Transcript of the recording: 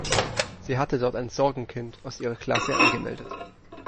Sie hatte dort ein Sorgenkind aus ihrer Klasse angemeldet.